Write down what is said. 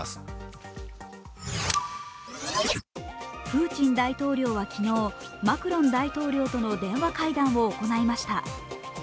プーチン大統領は昨日、マクロン大統領との電話会談を行いました。